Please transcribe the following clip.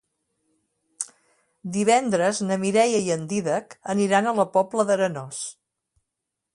Divendres na Mireia i en Dídac aniran a la Pobla d'Arenós.